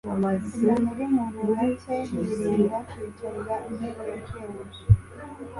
Umuntu uri mu buhake yirinda kwicarira intebe ya shebuja,